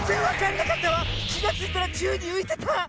きがついたらちゅうにういてた。